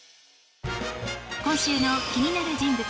今週の気になる人物